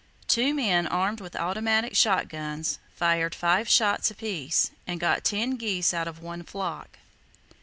Two men, armed with automatic shot guns, fired five shots apiece, and got ten geese out of one flock.